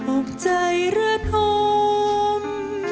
โอ้ใจรักอม